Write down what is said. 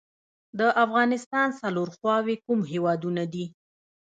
د افغانستان څلور خواوې کوم هیوادونه دي؟